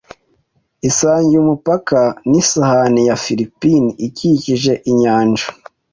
isangiye umupaka n’isahani ya Filipine ikikije inyanja